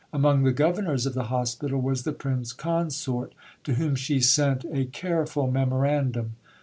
Among the Governors of the Hospital was the Prince Consort, to whom she sent a careful memorandum.